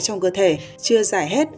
trong cơ thể chưa giải hết